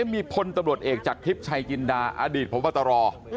มีผลตะบรดเอกจากทริปชัยกินดาอดีตผแบบตรอ